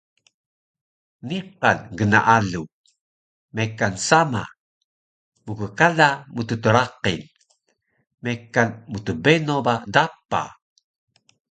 Niqan gnaalu, mekan sama, mgkala mttraqil, mekan mtbeno ba dapa